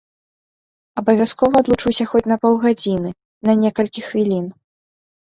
Абавязкова адлучуся хоць на паўгадзіны, на некалькі хвілін.